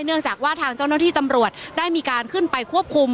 เนื่องจากว่าทางเจ้าหน้าที่ตำรวจได้มีการขึ้นไปควบคุม